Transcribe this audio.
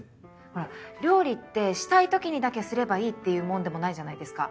ほら料理ってしたいときにだけすればいいっていうもんでもないじゃないですか。